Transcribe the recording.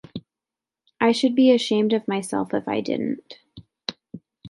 I should be ashamed of myself if I didn't.